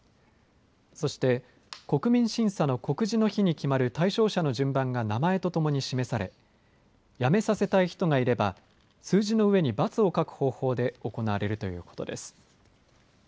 そして国民審査の告示の日に決まる対象者の順番が名前とともに示されやめさせたい人がいれば数字の上に×を書く方法で行われるということです。